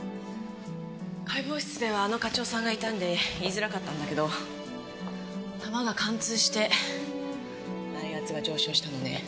解剖室ではあの課長さんがいたんで言いづらかったんだけど弾が貫通して内圧が上昇したのね。